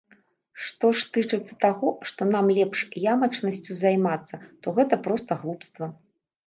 Што ж тычыцца таго, што нам лепш ямачнасцю займацца, то гэта проста глупства.